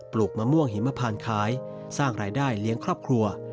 ลูกมะม่วงหิมพานขายสร้างรายได้เลี้ยงครอบครัว